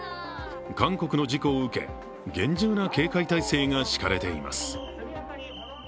韓国の事故を受け、厳重な警戒態勢が敷かれています。